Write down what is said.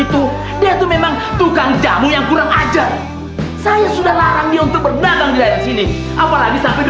itu dia tuh memang tukang jamu yang kurang ajar saya sudah larang untuk berdagang di sini apalagi